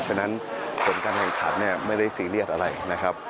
ฉะนั้นผลการแข่งขันเนี่ยไม่ได้ซีเรียสอะไรนะครับ